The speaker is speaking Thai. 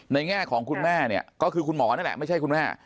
แง่ของคุณแม่เนี่ยก็คือคุณหมอนั่นแหละไม่ใช่คุณแม่